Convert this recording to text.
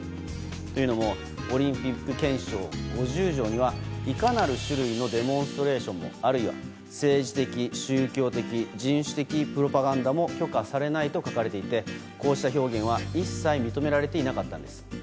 というのもオリンピック憲章５０条にはいかなる種類のデモンストレーションあるいは政治的、宗教的人種的プロパガンダも許可されないと書かれていてこうした表現は一切認められていなかったんです。